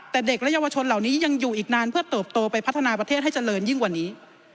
แต่เด็กและเยาวชนเหล่านี้ยังอยู่อีกนานเพื่อเติบโตไปพัฒนาประเทศให้เจริญยิ่งกว่านี้